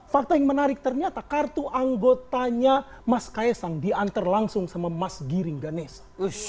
fakta yang menarik ternyata kartu anggotanya mas kaisang diantar langsung sama mas giring ganesa